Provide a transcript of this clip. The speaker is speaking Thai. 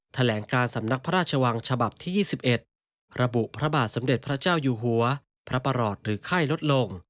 แถลงการสำนักพระราชวังฉบับที่๒๑ระบุพระบาทสมเด็จพระเจ้าอยู่หัวพระประหลอดหรือไข้ลดลง